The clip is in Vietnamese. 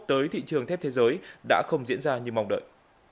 tới thị trường thép thế giới đã không diễn ra như mong đợi